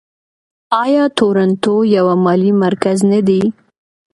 آیا تورنټو یو مالي مرکز نه دی؟